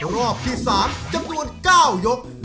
รอบที่๓จำนวน๙ยก